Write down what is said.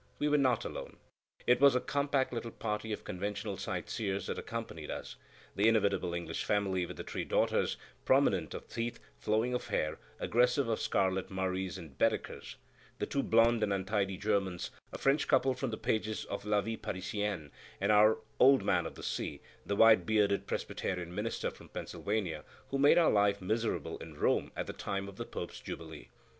We were not alone. It was a compact little party of conventional sight seers that accompanied us. The inevitable English family with the three daughters, prominent of teeth, flowing of hair, aggressive of scarlet Murrays and Baedekers; the two blond and untidy Germans; a French couple from the pages of La Vie Parisienne; and our "old man of the sea," the white bearded Presbyterian minister from Pennsylvania who had made our life miserable in Rome at the time of the Pope's Jubilee.